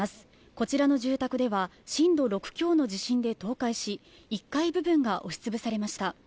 こちらの住宅では震度６強の地震で倒壊し、１階部分が押しつぶされました。